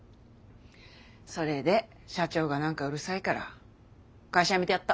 それで社長が何かうるさいから会社辞めてやった。